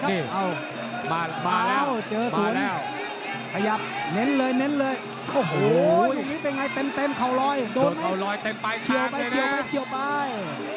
โดนเขาลอยเต็มไปข้างเลยนะเชียวไปเชียวไปเชียวไป